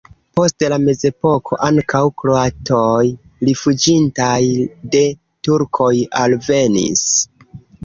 Post la mezepoko ankaŭ kroatoj rifuĝintaj de turkoj alvenis.